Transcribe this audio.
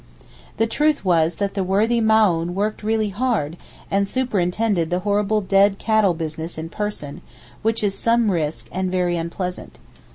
The truth was that the worthy Maōhn worked really hard, and superintended the horrible dead cattle business in person, which is some risk and very unpleasant.